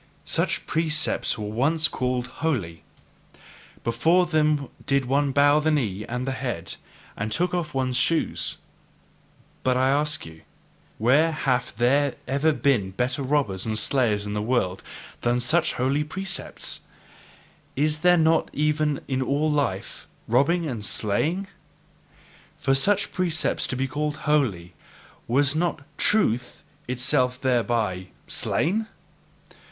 such precepts were once called holy; before them did one bow the knee and the head, and take off one's shoes. But I ask you: Where have there ever been better robbers and slayers in the world than such holy precepts? Is there not even in all life robbing and slaying? And for such precepts to be called holy, was not TRUTH itself thereby slain?